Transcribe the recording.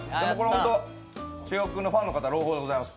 ホント、重岡君のファンの方、朗報でございます